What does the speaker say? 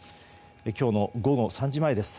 今日の午後３時前です。